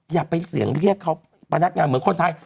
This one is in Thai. อย่าไปเสียงเรียกเขาพนักงานเหมือนคนไทย